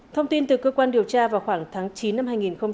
thông tin từ cơ quan điều tra vào khoảng tháng chín năm hai nghìn hai mươi